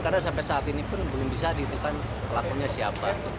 karena sampai saat ini pun belum bisa dihitungkan pelakunya siapa